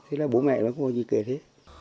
thế là bố mẹ nó có gì kể thế